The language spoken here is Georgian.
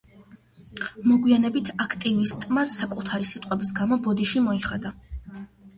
მოგვიანებით აქტივისტმა საკუთარი სიტყვების გამო ბოდიში მოიხადა.